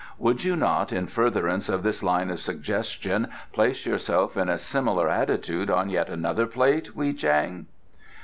Would you not, in furtherance of this line of suggestion, place yourself in a similar attitude on yet another plate, Wei Chang?"